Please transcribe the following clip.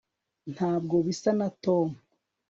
ntabwo bisa na tom